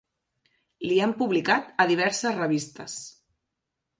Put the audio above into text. Li han publicat a diverses revistes.